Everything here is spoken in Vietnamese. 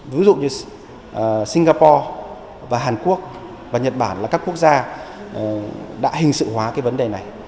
ví dụ như singapore và hàn quốc và nhật bản là các quốc gia đã hình sự hóa cái vấn đề này